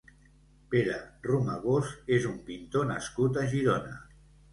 Pere Romagós és un pintor nascut a Girona.